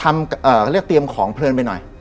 เขาเรียกเตรียมของเพลินไปหน่อย